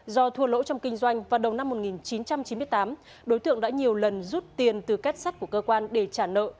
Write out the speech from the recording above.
do thua lỗ trong kinh doanh vào đầu năm một nghìn chín trăm chín mươi tám đối tượng đã nhiều lần rút tiền từ kết sắt của cơ quan để trả nợ